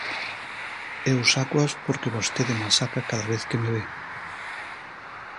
Eu sácoas porque vostede mas saca cada vez que me ve.